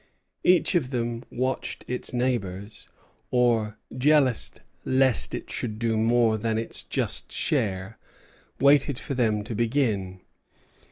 Each of them watched its neighbors, or, jealous lest it should do more than its just share, waited for them to begin.